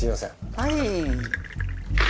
はい。